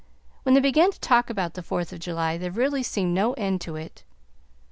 When they began to talk about the Fourth of July there really seemed no end to it.